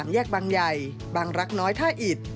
แยกบางใหญ่บางรักน้อยท่าอิด